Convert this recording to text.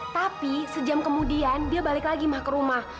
tapi sejam kemudian dia balik lagi mah ke rumah